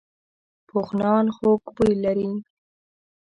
پوخ نان خوږ بوی لري